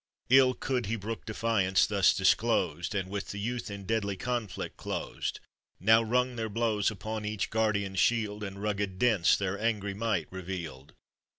Ill could he brook defiance thus disclosed, And with the youth in deadly conflict closed; Now rung their blows upon each guardian shield, And rugged dents their angry might revealed.